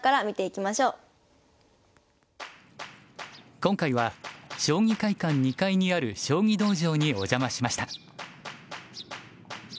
今回は将棋会館２階にある将棋道場にお邪魔しました。